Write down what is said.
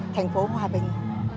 thành phố hòa bình